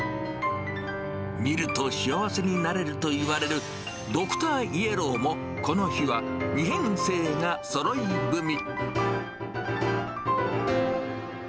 見ると幸せになれるといわれるドクターイエローも、この日は２編成がそろい踏み。